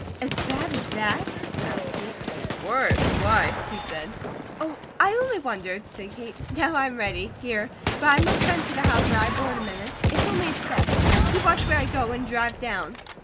"As bad as THAT?" asked Kate. "Worse! Why?" he said. "Oh, I only wondered," said Kate. "Now I am ready, here; but I must run to the house where I board a minute. It's only a step. You watch where I go, and drive down."